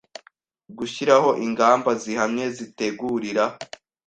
Gushyiraho ingamba zihamye zitegurira